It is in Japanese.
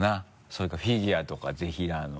それかフィギュアとかぜひらーの。